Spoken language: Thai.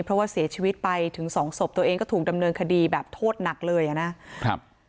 เพราะว่าเสียชีวิตไปถึงสองศพตัวเองก็ถูกดำเนินคดีแบบโทษหนักเลยอ่ะนะครับ